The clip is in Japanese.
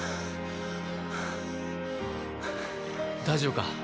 大丈夫か？